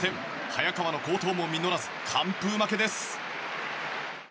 早川の好投も実らず完封負けです。